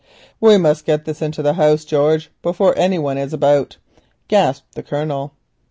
"We must get this into the house, George, before any one is about," gasped the Colonel.